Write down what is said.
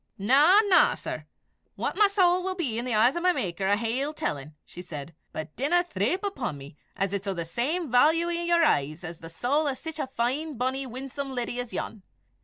"Na, na, sir! what my sowl may be in the eyes o' my Maker, I hae ill tellin'," she said, "but dinna ye threep upo' me 'at it's o' the same vailue i' your eyes as the sowl o' sic a fine, bonnie, winsome leddy as yon.